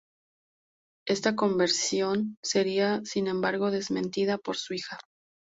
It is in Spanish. Esta conversión sería sin embargo desmentida por su hija.